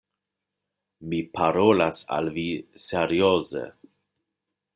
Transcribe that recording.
Mi parolas al vi serioze.